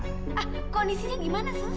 ah kondisinya gimana sus